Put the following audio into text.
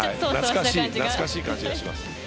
懐かしい感じがします。